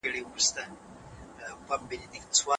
مخکني تجربې تل د زړو طریقو ځای پرته له نوښت څخه.